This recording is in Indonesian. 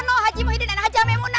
nol haji muhyiddin dan haja memuna